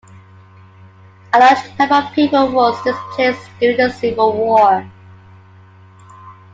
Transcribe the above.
A large number of people was displaced during the civil war.